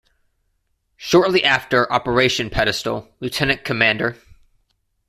Shortly after Operation Pedestal, Lt.Cdr.